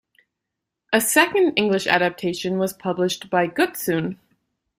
A second English adaptation was published by Gutsoon!